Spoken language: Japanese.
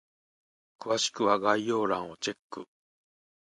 詳しくは概要欄をチェック！